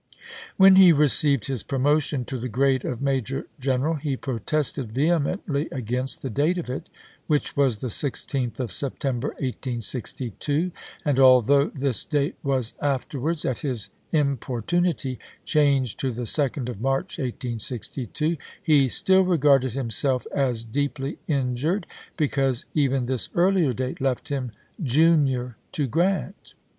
When he received his promotion to the grade of major general he protested vehemently against the date of it, which was the 16th of September, 1862, and although this date was afterwards, at his im portunity, changed to the 2d of March, 1862, he still regarded himself as deeply injured because even this earlier date left him junior to Grant.